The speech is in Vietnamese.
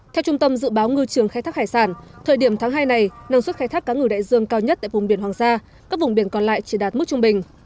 theo trung tâm dự báo ngư trường khai thác hải sản thời điểm tháng hai này năng suất khai thác cá ngừ đại dương cao nhất tại vùng biển hoàng sa các vùng biển còn lại chỉ đạt mức trung bình